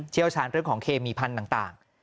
เชี่ยวชาญเรื่องของเคมีพันธุ์ต่าง